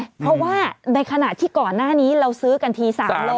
เพราะว่าในขณะที่ก่อนหน้านี้เราซื้อกันที๓๐๐